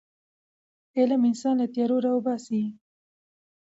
علم انسان له تیارو راباسي.